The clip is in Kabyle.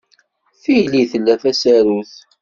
Tili tella tsarut.